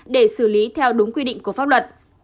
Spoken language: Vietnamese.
để xử lý theo đúng quy định của pháp luật